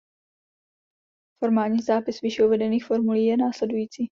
Formální zápis výše uvedených formulí je následující.